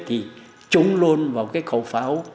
thì trúng luôn vào cái khẩu pháo